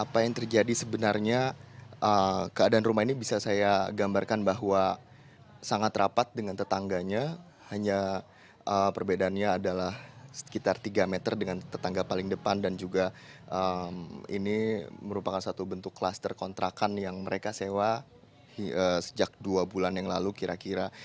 perbedaannya adalah sekitar tiga meter dengan tetangga paling depan dan juga ini merupakan satu bentuk klaster kontrakan yang mereka sewa sejak dua bulan yang lalu kira kira